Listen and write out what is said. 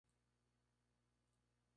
Fue miembro del Grupo de Oviedo.